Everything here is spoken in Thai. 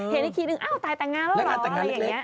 เห็นละคีนึงเอ้าตายตายตายงานแล้วหรออะไรอย่างนี้